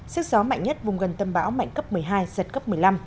sức gió mạnh nhất vùng gần tâm bão mạnh cấp một mươi hai giật cấp một mươi năm